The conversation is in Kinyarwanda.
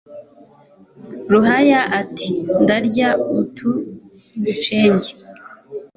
ruhaya iti « ndarya utu ngucenge»